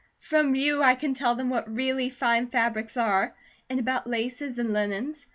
From you I can tell them what really fine fabrics are, and about laces, and linens.